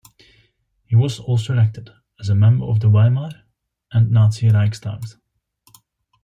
He was also elected as a member of the Weimar and Nazi Reichstags.